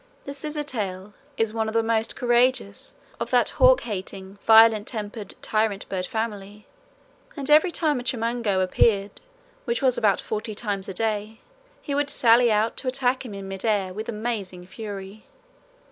The scissor tail is one of the most courageous of that hawk hating, violent tempered tyrant bird family, and every time a chimango appeared, which was about forty times a day, he would sally out to attack him in mid air with amazing fury.